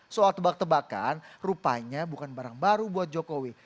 soal tebak tebakan rupanya bukan barang baru buat jokowi